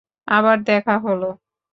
আবার দেখা হলো।